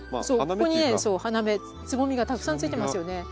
そうここにねそう花芽つぼみがたくさんついてますよね。